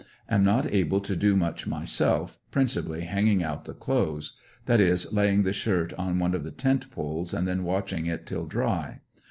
Am not able to do much myself, principally hanging out the clothes; that is. laying the shirt on one of the tent poles and then watching it till dry.